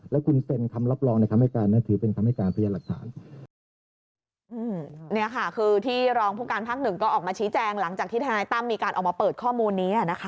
แล้วคุณเซ็นคำรับรองในคำให้การนั้นถือเป็นคำให้การพยานหลักฐาน